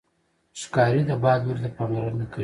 ښکاري د باد لوري ته پاملرنه کوي.